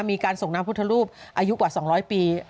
มีการส่งน้ำพุทธรูปอายุกว่า๒๐๐ปี